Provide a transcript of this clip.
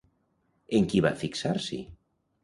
En qui va fixar-s'hi?